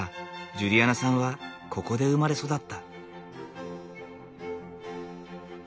ジュリアナさんはここで生まれ育った。